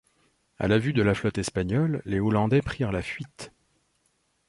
À la vue de la flotte espagnole, les hollandais prirent la fuite.